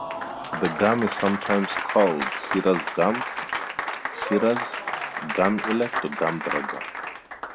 The gum is sometimes called Shiraz gum, shiraz, gum elect or gum dragon.